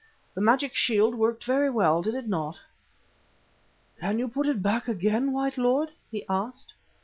The magic shield worked very well, did it not?" "Can you put it back again, white lord?" he asked.